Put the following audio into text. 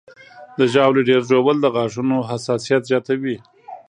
د ژاولې ډېر ژوول د غاښونو حساسیت زیاتوي.